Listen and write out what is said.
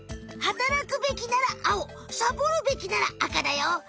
働くべきならあおサボるべきならあかだよ。